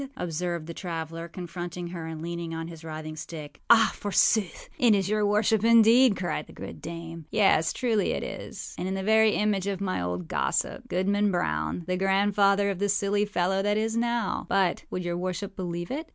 â observed the traveller, confronting her and leaning on his writhing stick. âAh, forsooth, and is it your worship indeed?â cried the good dame. âYea, truly is it, and in the very image of my old gossip, Goodman Brown, the grandfather of the silly fellow that now is. Butâwould your worship believe it?